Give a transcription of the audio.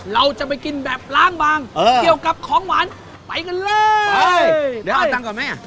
เราจะไปกินแบบล้างบางเกี่ยวกับของหวานไปกันเลยเดี๋ยวเอาตังค์ก่อนแม่